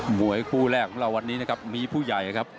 มวยคู่แรกของเราวันนี้นะครับมีผู้ใหญ่ครับ